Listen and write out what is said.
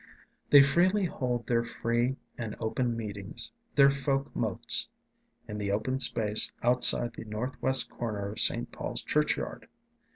They freely hold their free and open meetings, their folk motes, in the open space outside the northwest corner of St. Paul's Churchyard.